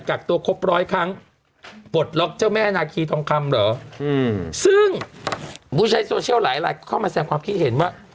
กักตัวครบร้อยครั้งปลดล็อกเจ้าแม่นาคีทองคำเหรออืมซึ่งผู้ใช้โซเชียลหลายลายเข้ามาแสงความคิดเห็นว่า